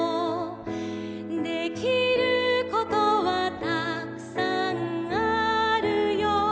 「できることはたくさんあるよ」